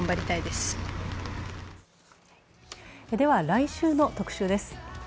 来週の特集です。